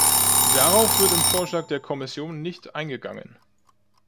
Darauf wird im Vorschlag der Kommission nicht eingegangen.